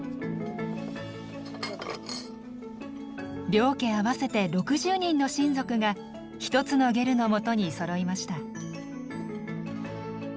両家合わせて６０人の親族が１つのゲルのもとにそろいました。